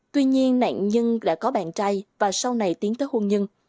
tuy nhiên nạn nhân đã có bạn trai và sau này tiến tới hôn nhân